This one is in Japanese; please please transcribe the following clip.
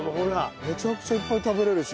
めちゃくちゃいっぱい食べれるし。